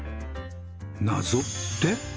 謎って？